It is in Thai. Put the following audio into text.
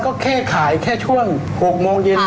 ก็แค่ขายแค่ช่วง๖โมงเย็น